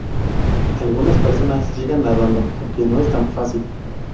Algunas personas llegan nadando, aunque no es tan fácil.